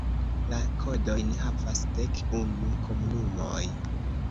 La kodojn havas dek unu komunumoj.